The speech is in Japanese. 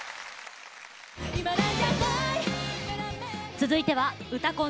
続いては「うたコン」